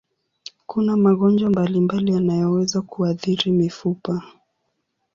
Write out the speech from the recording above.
Kuna magonjwa mbalimbali yanayoweza kuathiri mifupa.